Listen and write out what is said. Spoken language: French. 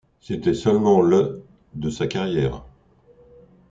C'était seulement le de sa carrière.